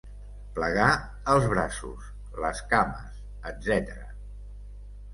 Plegar els braços, les cames, etc.